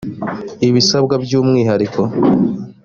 ibisabwa by ‘umwihariko